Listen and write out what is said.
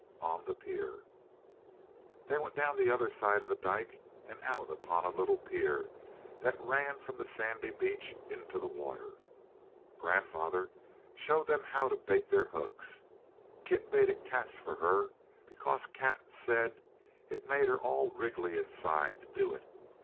On the Pier They went down the other side of the dyke and out upon a little pier that ran from the sandy beach into the water. Grandfather showed them how to bait their hooks. Kit baited Kat's for her, because Kat said it made her all wriggly inside to do it.